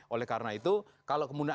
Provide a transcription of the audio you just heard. oleh karena itu kalau kemudian